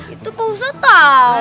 itu pak ustadz tau